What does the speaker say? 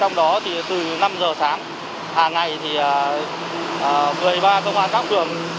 trong đó từ năm giờ sáng hàng ngày thì một mươi ba công an tăng cường